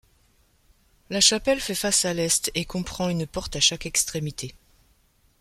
La chapelle fait face à l'est et comprend une porte à chaque extrémité.